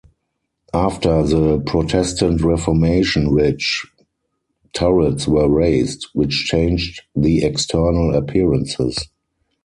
After the Protestant Reformation, ridge turrets were raised, which changed the external appearances.